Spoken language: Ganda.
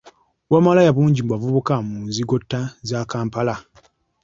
Obwamalaaya bungi mu bavubuka mu nzigotta za Kampala.